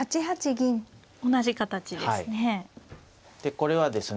これはですね